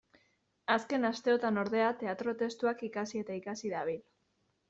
Azken asteotan, ordea, teatro-testuak ikasi eta ikasi dabil.